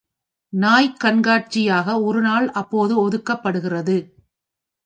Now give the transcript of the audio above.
நாய்க் கண்காட்சிக்காக ஒரு நாள் அப்போது ஒதுக்கப்படுகிறது.